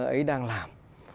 ấy đang làm